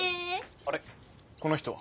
あれっこの人は？